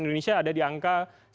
indonesia ada di angka